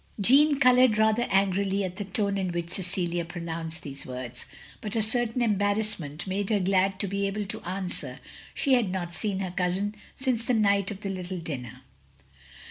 Jeanne coloured rather angrily at the tone in which Cecilia pronotmced these words; but a certain embarrassment made her glad to be able to answer she had not seen her cousin since the night of the little dinner.